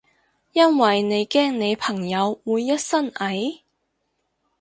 因為你驚你朋友會一身蟻？